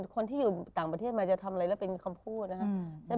คนที่อยู่ต่างประเทศมาจะทำอะไรแล้วเป็นคำพูดนะครับ